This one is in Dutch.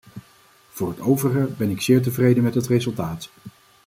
Voor het overige ben ik zeer tevreden met het resultaat.